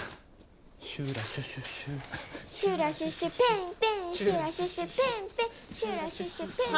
「シュラシュシュシュ」「シュラシュシュペンペン」「シュラシュシュペンペンシュラシュシュペンペン」